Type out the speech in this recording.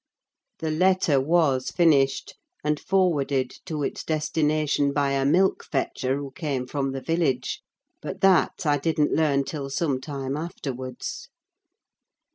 The letter was finished and forwarded to its destination by a milk fetcher who came from the village; but that I didn't learn till some time afterwards.